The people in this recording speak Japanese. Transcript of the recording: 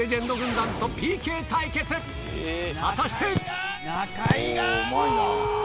果たして⁉